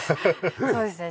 そうですね。